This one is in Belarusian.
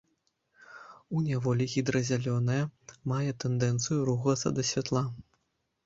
У няволі гідра зялёная мае тэндэнцыю рухацца да святла.